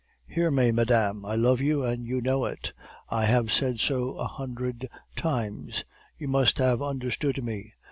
"'Hear me, madame. I love you, and you know it; I have said so a hundred times; you must have understood me.